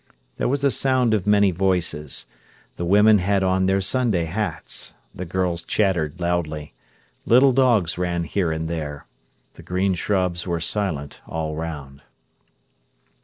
There was a sound of many voices. The women had on their Sunday hats. The girls chattered loudly. Little dogs ran here and there. The green shrubs were silent all around.